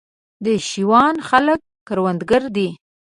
د شېوان خلک کروندګر دي